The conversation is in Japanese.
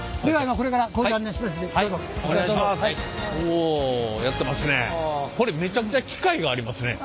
これめちゃくちゃ機械がありますね。